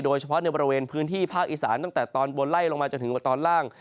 โดยเฉพาะในบริเวณพื้นที่ภาคอีสานตั้งแต่ตอนบนไล่ลงมาจนถึงตอนล่าง